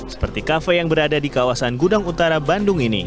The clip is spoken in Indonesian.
seperti kafe yang berada di kawasan gudang utara bandung ini